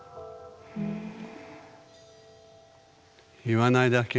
言わないだけ。